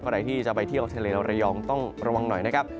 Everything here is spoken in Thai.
ใครที่จะไปเที่ยวทะเลระยองต้องระวังหน่อยนะครับ